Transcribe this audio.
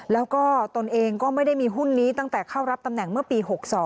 แล้วก็ตนเองก็ไม่ได้มีหุ้นนี้ตั้งแต่เข้ารับตำแหน่งเมื่อปี๖๒